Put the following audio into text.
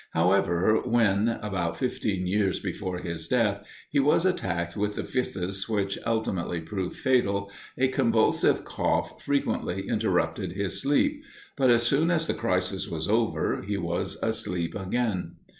However, when, about fifteen years before his death, he was attacked with the phthisis which ultimately proved fatal, a convulsive cough frequently interrupted his sleep; but as soon as the crisis was over, he was asleep again.